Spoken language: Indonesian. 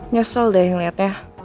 nyesel deh liatnya